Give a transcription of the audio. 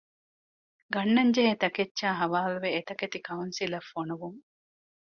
ގަންނަންޖެހޭ ތަކެއްޗާއި ޙަވާލުވެ އެތަކެތި ކައުންސިލަށް ފޮނުވުން.